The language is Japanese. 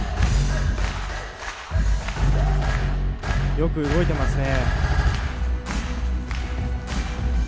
よく動いてますね。